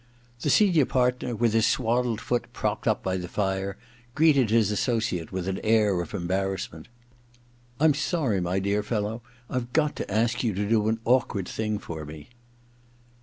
The senior partner, with his swaddled foot propped up by the fire, greeted his associate with an air of embarrassment. * Tm sorry, my dear fellow ; IVe got to ask you to do an awkward thing for me.'